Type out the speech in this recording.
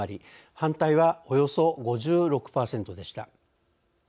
反対はおよそ５６％でした。